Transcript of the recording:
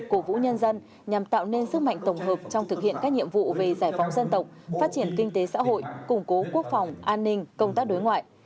cổ vũ nhân dân nhằm tạo nên sức mạnh tổng hợp trong thực hiện các nhiệm vụ về giải phóng dân tộc phát triển kinh tế xã hội củng cố quốc phòng an ninh công tác đối ngoại